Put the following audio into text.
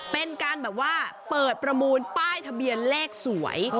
เป็นการเปิดประมูลป้ายทะเบียนแรกสวย